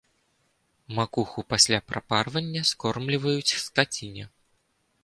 Макуху пасля прапарвання скормліваюць скаціне.